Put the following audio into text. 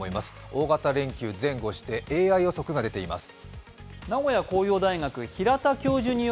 大型連休、前後してＡＩ予測が出ています。